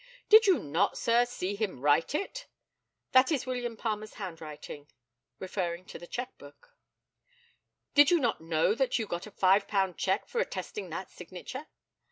Did you not, sir, see him write it? That is William Palmer's handwriting [referring to the cheque book]. Did you not know that you got a five pound cheque for attesting that signature?